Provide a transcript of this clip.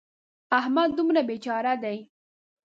احمد دومره بې چاره دی.